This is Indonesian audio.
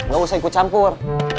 gak usah ikut campur